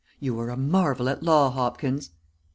"You are a marvel at law, Hopkins."